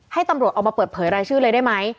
ให้ตำรวจออกมาเปิดเผยรายชื่อเลยได้ไหม